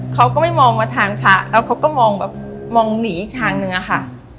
เขาก็ไม่มองมาทางพระแล้วเขาก็มองแบบมองหนีอีกทางนึงอะค่ะ